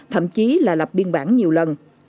thậm chí là lập biên bản nhiều lần